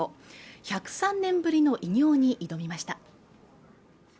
１０３年ぶりの偉業に挑みました